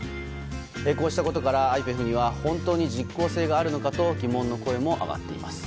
こうしたことから、ＩＰＥＦには本当に実効性があるのかと疑問の声も上がっています。